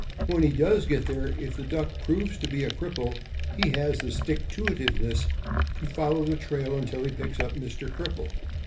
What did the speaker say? When he does get there, if the duck proves to be a cripple, he has the sticktoitiveness to follow the trail until he picks up Mr. Cripple.